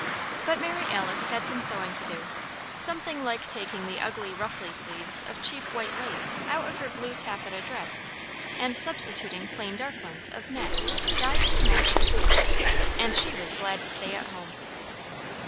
But Mary Alice had some sewing to do something like taking the ugly, ruffly sleeves of cheap white lace out of her blue taffeta dress and substituting plain dark ones of net dyed to match the silk; and she was glad to stay at home.